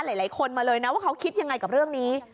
หลายคนมาเลยนะว่าเขาคิดยังไงกับเรื่องนี้